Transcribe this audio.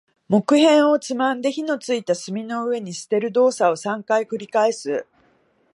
木片をつまんで、火の付いた炭の上に捨てる動作を三回繰り返す。